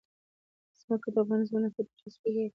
ځمکه د افغان ځوانانو لپاره دلچسپي لري.